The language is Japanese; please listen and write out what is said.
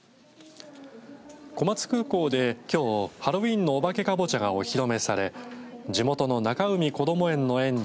小松空港できょうハロウィーンのおばけかぼちゃがお披露目され地元の中海こども園の園児